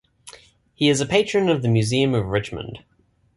He is a patron of the Museum of Richmond.